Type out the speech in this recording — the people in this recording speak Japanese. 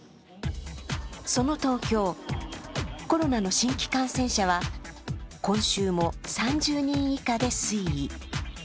その東京、コロナの新規感染者は今週も３０人以下で推移。